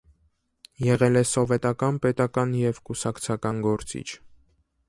Եղել է սովետական պետական և կուսակցական գործիչ։